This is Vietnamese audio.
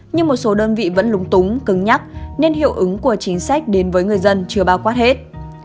nhưng một số đơn vị vẫn lúng túng cứng nhắc nên hiệu ứng của chính sách đến với người dân chưa bao quát hết